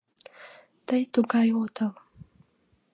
Тый тугай отыл.